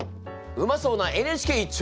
うまそうな「ＮＨＫ」一丁！